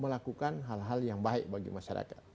melakukan hal hal yang baik bagi masyarakat